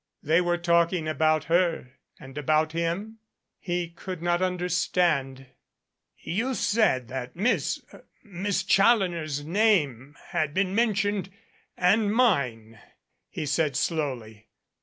They were talking about her and about him ? He could not understand. "You said that Miss Miss Challoner's name had been mentioned and mine," he said slowly.